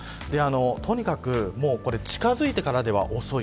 とにかく近づいてからでは遅い。